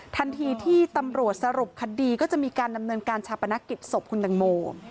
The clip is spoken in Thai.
ทันทีที่ตำรวจสรุปคดีก็จะมีการดำเนินการชาปนกิจศพคุณตังโม